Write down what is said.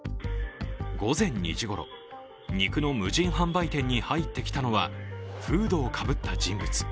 午前２時ごろ肉の無人販売店に入ってきたのはフードをかぶった人物。